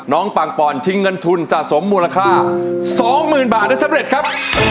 น้องปังปอนด์ทิ้งเงินทุนสะสมมูลค่าสองหมื่นบาทได้สำเร็จครับ